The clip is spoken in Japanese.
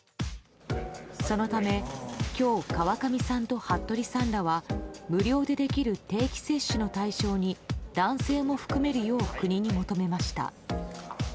そのため今日川上さんと服部さんらは無料でできる定期接種の対象に男性も含めるよう国に求めました。